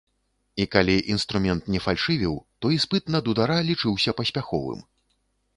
І калі інструмент не фальшывіў, то іспыт на дудара лічыўся паспяховым.